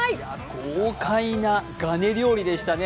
豪快なガネ料理でしたね。